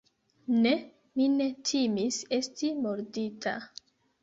Ne, mi ne timis esti mordita.